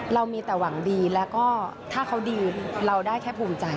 เรามีแต่หวังดีแล้วก็ถ้าเขาดีเราได้แค่ภูมิใจ